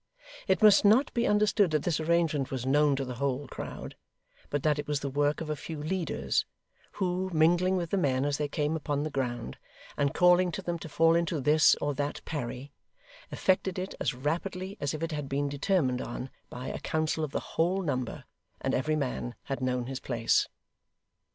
It must not be understood that this arrangement was known to the whole crowd, but that it was the work of a few leaders; who, mingling with the men as they came upon the ground, and calling to them to fall into this or that parry, effected it as rapidly as if it had been determined on by a council of the whole number, and every man had known his place.